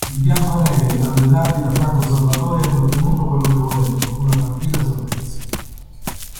I bianconeri allenati da Franco Salvatori hanno ottenuto quello che volevano, una tranquilla salvezza.